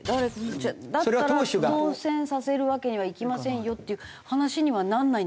だったら当選させるわけにはいきませんよっていう話にはならないんですか？